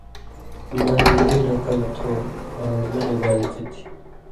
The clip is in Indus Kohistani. نہ اېں دیناں کمہۡ تھو آں نہ عبادتی تھی